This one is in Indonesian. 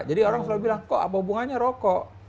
jadi orang selalu bilang kok apa hubungannya rokok